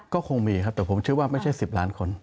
ก็คงมีครับแต่ผมเชื่อว่าไม่ใช่๑๐ล้านคน